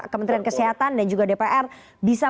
kementerian kesehatan dan juga dpr bisa